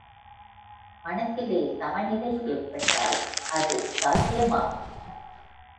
மனத்திலே சமநிலை ஏற்பட்டால் அது சாத்தியமாகும்.